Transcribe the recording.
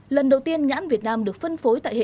lần đầu tiên nhãn việt nam được phân phối tại hệ thống